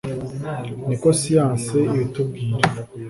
niko science ibitubwira